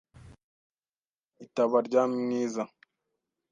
Itaba rya Mwiza